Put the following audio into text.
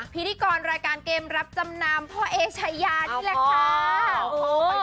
พิธีกรรายการเกมรับจำนำพ่อเอชายานี่แหละค่ะ